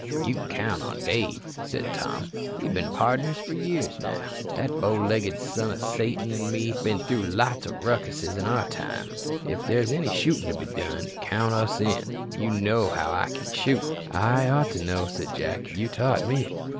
"You can count on Dave," said Tom. "We been pardners for years. That bow legged son o' Satan an' me been through lots o' ruckuses in our time. If there's any shootin' to be done, count us in. You know how I kin shoot." "I ought to know," said Jack. "You taught me."